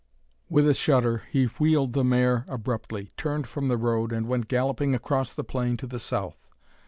With a shudder he wheeled the mare abruptly, turned from the road, and went galloping across the plain to the south.